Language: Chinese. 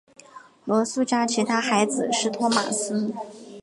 罗素家其他孩子是托马斯。